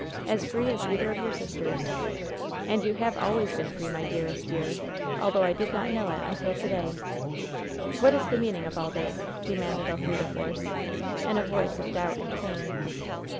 As free as either of your sisters ! And you have always been free, my dear est dear, although I did not know it until to day." "What is the meaning of all this?" demanded Elfrida Force, in a voice of doubt and pain.